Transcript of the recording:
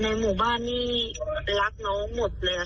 หมู่บ้านนี่รักน้องหมดเลยค่ะ